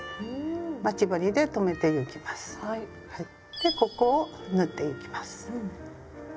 でここを縫ってゆきます。